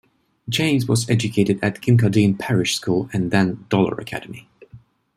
James was educated at Kincardine Parish School and then Dollar Academy.